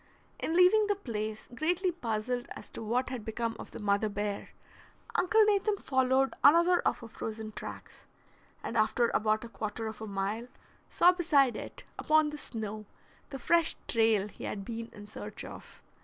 In leaving the place, greatly puzzled as to what had become of the mother bear, Uncle Nathan followed another of her frozen tracks, and after about a quarter of a mile saw beside it, upon the snow, the fresh trail he had been in search of.